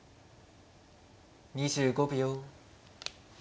２５秒。